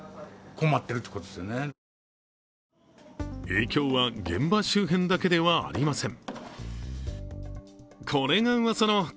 影響は現場周辺だけではありません。